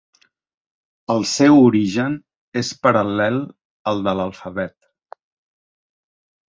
El seu origen és paral·lel al de l'alfabet.